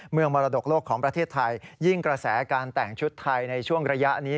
มรดกโลกของประเทศไทยยิ่งกระแสการแต่งชุดไทยในช่วงระยะนี้